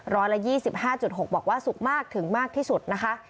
ร้อยละยี่สิบห้าจุดหกบอกว่าสุขมากถึงมากที่สุดนะคะ